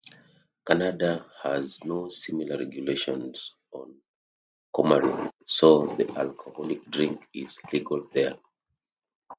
Canada has no similar regulations on coumarin, so the alcoholic drink is legal there.